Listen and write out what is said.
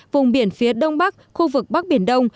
vùng biển phía đông bắc khu vực bắc biển đông